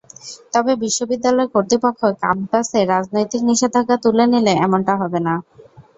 তবে বিশ্ববিদ্যালয় কর্তৃপক্ষ ক্যাম্পাসে রাজনৈতিক নিষেধাজ্ঞা তুলে নিলে এমনটা হবে না।